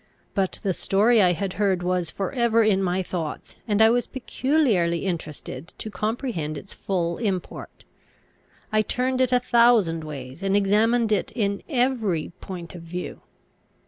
But the story I had heard was for ever in my thoughts, and I was peculiarly interested to comprehend its full import. I turned it a thousand ways, and examined it in every point of view.